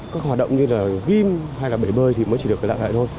các hoạt động như là gym hay là bể bơi thì mới chỉ được lại lại thôi